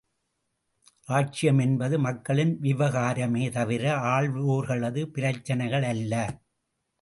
ராஜ்யம் என்பது, மக்களின் விவகாரமே தவிர, ஆள்வோர்களது பிரச்சினைகள் அல்ல!